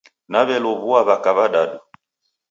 Naw'elow'ua w'aka w'adadu